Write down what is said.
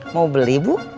mau beli bu